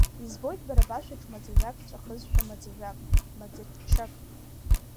Избоит бара башәаҿ маӡажәак ҵәахызшәа маӡажәак, маӡаччак…